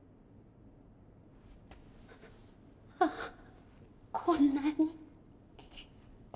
ああこんなに。